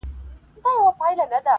بس که! آسمانه نور یې مه زنګوه-